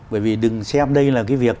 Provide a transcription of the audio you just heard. bởi vì đừng xem đây là cái việc